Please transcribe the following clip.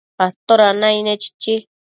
¿toda naicne?chichi